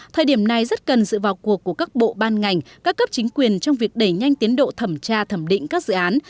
thời điểm này rất cần sự vào cuộc của các bộ ban ngành các cấp chính quyền trong việc đẩy nhanh tiến độ thẩm tra thẩm định các dự án